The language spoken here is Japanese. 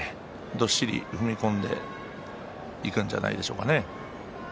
どっしり踏み込んでいくんじゃないでしょうか。